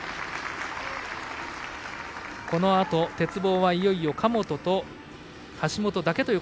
このあと鉄棒はいよいよ神本と橋本だけ。